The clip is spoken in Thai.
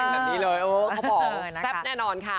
แบบนี้เลยเขาบอกแซ่บแน่นอนค่ะ